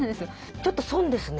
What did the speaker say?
ちょっと損ですね。